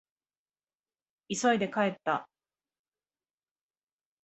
急いで帰った。